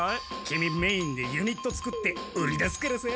キミメインでユニット作って売り出すからさ。